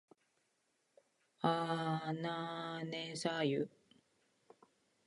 あなねさゆ